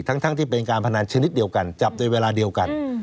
ทั้งที่เป็นการพนันชนิดเดียวกันจับในเวลาเดียวกัน